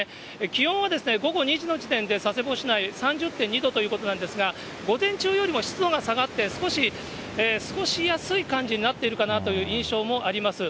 気温は午後２時の時点で佐世保市内３０．２度ということなんですが、午前中よりも湿度が下がって、少し過ごしやすい感じになっているかなという印象もあります。